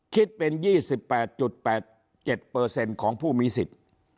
คิดเป็น๒๘๘๗ของผู้มีสิทธิ์